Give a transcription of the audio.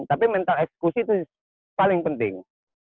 tapi mental eksklusi itu paling penting